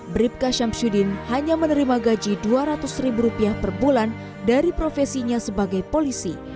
bribka syamsuddin hanya menerima gaji dua ratus ribu rupiah per bulan dari profesinya sebagai polisi